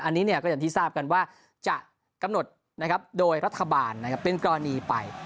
อันนี้ก็อย่างที่ทราบกันว่าจะกำหนดโดยรัฐบาลเป็นกรณีไป